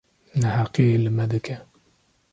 neheqiyê li me dike.